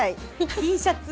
Ｔシャツ。